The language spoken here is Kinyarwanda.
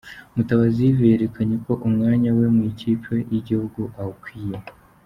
Mutabazi Yves yerekanye ko umwanya we mu ikipe y’igihugu awukwiye.